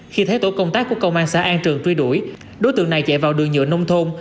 khi thấy tổ công tác của công an xã an trường truy đuổi đối tượng này chạy vào đường nhựa nông thôn